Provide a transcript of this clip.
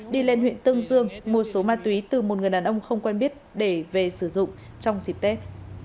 đi lên huyện tương dương mua số ma túy từ một người đàn ông không quen biết để về sử dụng trong dịp tết